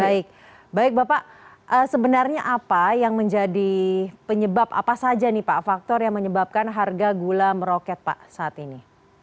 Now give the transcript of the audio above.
baik baik bapak sebenarnya apa yang menjadi penyebab apa saja nih pak faktor yang menyebabkan harga gula meroket pak saat ini